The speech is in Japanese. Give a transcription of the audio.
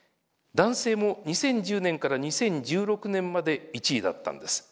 男性も２０１０年から２０１６年まで１位だったんです。